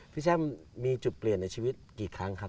แช่มมีจุดเปลี่ยนในชีวิตกี่ครั้งครับ